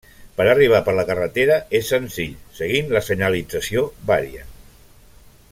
Per arribar per la carretera és senzill, seguint la senyalització varia.